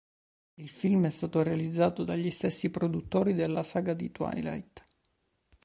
Il film è stato realizzato dagli stessi produttori della saga di Twilight.